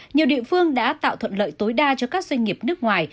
nhiều địa phương đã tạo thuận lợi tối đa cho các doanh nghiệp nước ngoài